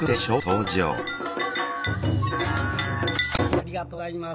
ありがとうございます。